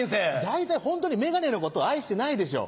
大体ホントに眼鏡のことを愛してないでしょ。